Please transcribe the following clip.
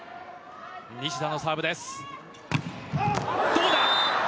どうだ。